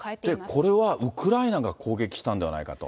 これはウクライナが攻撃したんではないかと。